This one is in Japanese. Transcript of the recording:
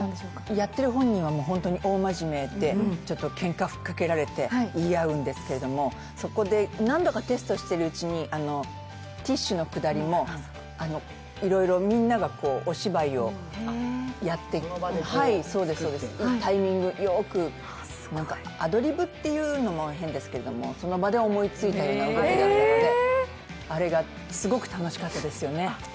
やってる本人は本当に大真面目で、ちょっとけんかを吹っ掛けられて言い合うんですけれども、そこで何度かテストしているうちにティッシュのくだりもいろいろみんながお芝居をやっていってタイミングよーく、アドリブっていうのも変ですけどその場で思いついたような動きだったので、あれがすごく楽しかったですよね。